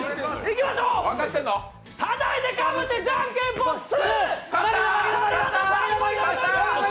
たたいてかぶってじゃんけんぽん２！